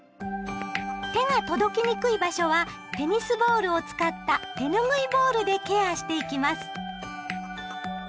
手が届きにくい場所はテニスボールを使った手ぬぐいボールでケアしていきます。